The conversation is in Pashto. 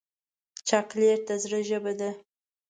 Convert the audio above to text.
چاکلېټ د زړه ژبه ده.